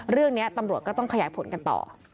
เรื่องนี้ตำรวจก็ต้องขยายผลกันต่อ